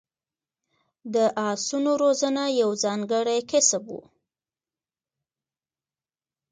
د اسونو روزنه یو ځانګړی کسب و